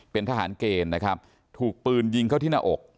เป็นทหารเกณฑ์นะครับถูกปืนยิงเข้าที่หน้าอก